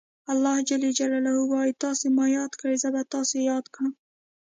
الله ج وایي تاسو ما یاد کړئ زه به تاسې یاد کړم.